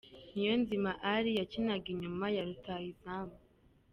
Niyonzima Ally yakinaga inyuma ya ruyahizamu.